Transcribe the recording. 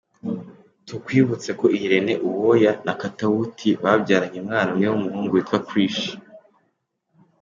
Tukwibutse ko Irene Uwoya na Katawuti babyaranye umwana umwe w’umuhungu witwa Krish.